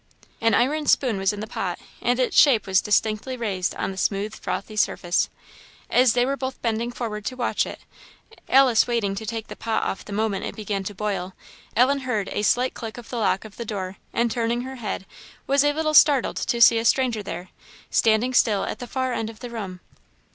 An iron spoon was in the pot, and its shape was distinctly raised on the smooth frothy surface. As they were both bending forward to watch it, Alice waiting to take the pot off the moment it began to boil, Ellen head a slight click of the lock of the door, and turning her head, was a little startled to see a stranger there, standing still at the far end of the room.